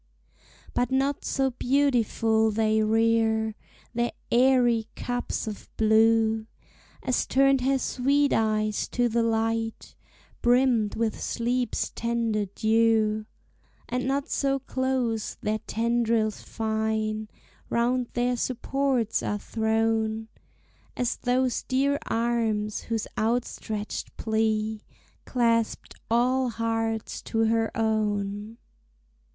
But not so beautiful they rear Their airy cups of blue, As turned her sweet eyes to the light, Brimmed with sleep's tender dew; And not so close their tendrils fine Round their supports are thrown, As those dear arms whose outstretched plea Clasped all hearts to her own.